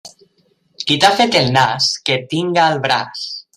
Qui t'ha fet el nas, que et tinga al braç.